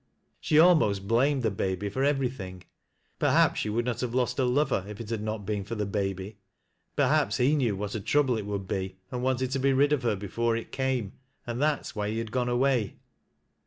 She almost blamed the baby for every thing. Perhaps she would not have lost her lover if it had uot been for the baby. Perhaps he knew what a trouble it would be, and wanted to be rid of her before it came, and that was why he had gone away.